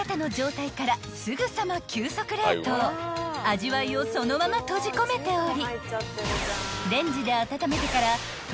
［味わいをそのまま閉じ込めており］